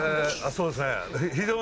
そうですね。